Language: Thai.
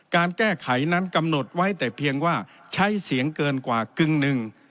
การแก้ไขนั้นกำหนดไว้แต่เพียงว่าใช้เสียงเกินกว่ากึ่งหนึ่ง